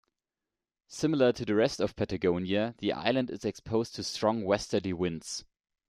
Similar to the rest of Patagonia, the island is exposed to strong westerly winds.